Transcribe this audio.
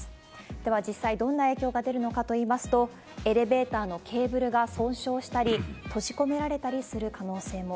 では、実際どんな影響が出るのかといいますと、エレベーターのケーブルが損傷したり、閉じ込められたりする可能性も。